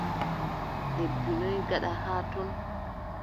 Lebbi noy gaɗɗa haa ton ?